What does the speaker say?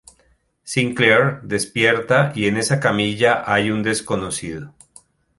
Sinclair despierta y en esa camilla hay un desconocido.